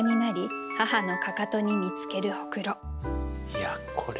いやこれ。